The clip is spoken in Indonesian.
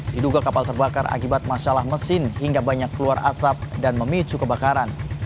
diduga kapal terbakar akibat masalah mesin hingga banyak keluar asap dan memicu kebakaran